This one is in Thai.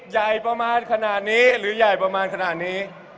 ใหญ่ประมาณขนาดนี้